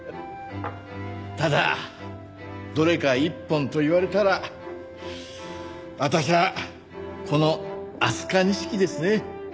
ただどれか１本と言われたら私はこの飛鳥錦ですね。